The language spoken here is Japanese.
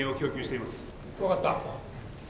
分かった。